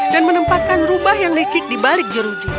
dan menempatkan rubah yang licik di balik jeruji